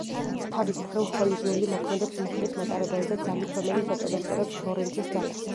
თავის მხრივ ჰოლის ველი მოქმედებს მუხტის მატარებელზე ძალით, რომელიც აწონასწორებს ლორენცის ძალას.